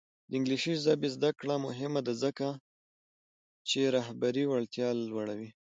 د انګلیسي ژبې زده کړه مهمه ده ځکه چې رهبري وړتیا لوړوي.